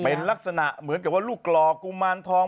เป็นลักษณะเหมือนกับว่าลูกหล่อกุมารทอง